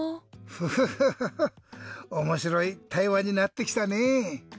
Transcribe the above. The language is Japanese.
フフフフッおもしろいたいわになってきたねぇ。